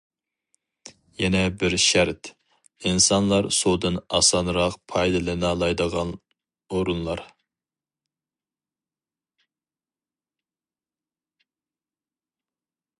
يەنە بىر شەرت، ئىنسانلار سۇدىن ئاسانراق پايدىلىنالايدىغان ئورۇنلار.